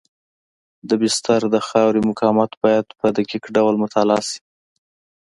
د بستر د خاورې مقاومت باید په دقیق ډول مطالعه شي